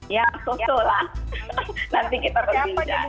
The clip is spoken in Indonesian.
ya susul lah nanti kita berbincang